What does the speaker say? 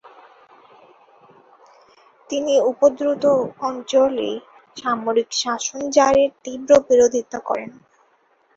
তিনি উপদ্রুত অঞ্চলে সামরিক শাসন জারিরও তীব্র বিরোধিতা করেন ।